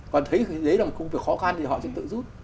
còn thấy thế là một công việc khó khăn thì họ sẽ tự giúp